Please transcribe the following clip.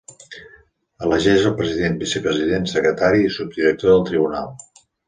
Elegeix el president, vicepresident, secretari i subdirector del tribunal.